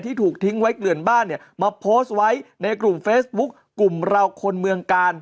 ถูกทิ้งไว้เกลื่อนบ้านเนี่ยมาโพสต์ไว้ในกลุ่มเฟซบุ๊คกลุ่มเราคนเมืองกาล